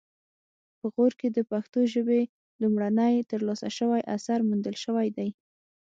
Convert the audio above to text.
په غور کې د پښتو ژبې لومړنی ترلاسه شوی اثر موندل شوی دی